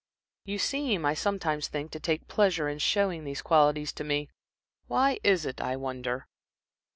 You seem, I sometimes think, to take pleasure in showing these qualities to me. Why is it, I wonder?"